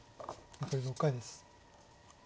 残り６回です。